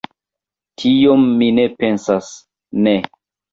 Tion mi ne pensas, ne!